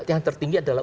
yang tertinggi adalah